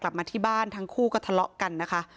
กลับมาที่บ้านทั้งคู่ก็ทะเลาะกันนะคะ